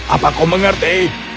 apa kau mengerti